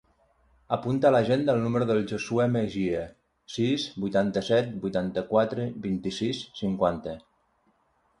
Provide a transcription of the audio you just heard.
Apunta a l'agenda el número del Josuè Mejia: sis, vuitanta-set, vuitanta-quatre, vint-i-sis, cinquanta.